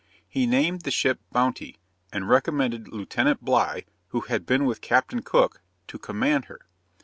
He named the ship the Bounty, and recommended Lieutenant Bligh, who had been with Captain Cook, to command her.